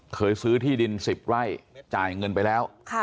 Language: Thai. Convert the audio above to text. เคยซื้อที่ดิน๑๐ไร่จ่ายเงินไปแล้ว